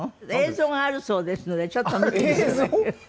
映像があるそうですのでちょっと見て頂く。